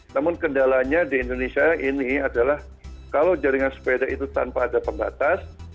namun kendalanya di indonesia ini adalah kalau jaringan sepeda itu tanpa ada pembatas